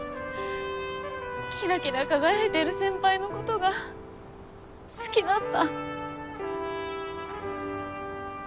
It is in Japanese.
キラキラ輝いている先輩のことが好きだった。